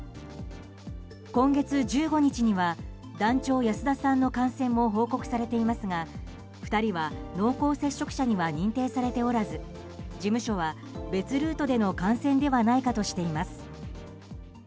今月１５日には、団長安田さんの感染も報告されていますが２人は濃厚接触者には認定されておらず事務所は別ルートでの感染ではないかとしています。